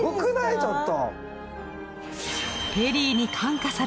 ちょっと。